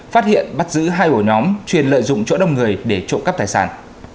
phát hiện bắt giữ hai ổ nhóm chuyên lợi dụng chỗ đông người để trộm cắp tài sản